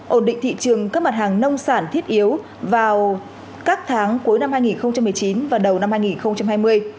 ổn định thị trường các mặt hàng nông sản thiết yếu vào các tháng cuối năm hai nghìn một mươi chín và đầu năm hai nghìn hai mươi